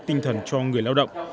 tinh thần cho người lao động